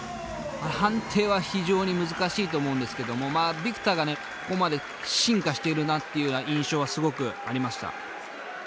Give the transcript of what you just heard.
判定は非常に難しいと思うんですけどもＶｉｃｔｏｒがここまで進化しているなっていう印象はすごくありました。